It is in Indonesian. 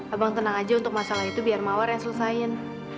abang tenang aja untuk masalah itu biar mawar ya selesaiin